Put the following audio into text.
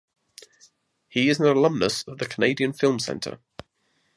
He is an alumnus of the Canadian Film Centre.